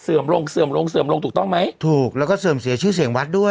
ลงเสื่อมลงเสื่อมลงถูกต้องไหมถูกแล้วก็เสื่อมเสียชื่อเสียงวัดด้วย